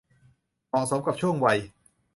เหมาะสมกับช่วงวัย